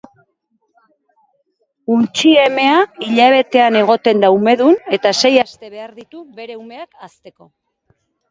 Untxi emea hilabetean egoten da umedun eta sei aste behar ditu bere umeak hazteko.